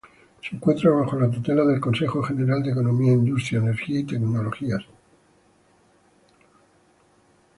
Se encuentra bajo la tutela del Consejo general de economía, industria, energía y tecnologías.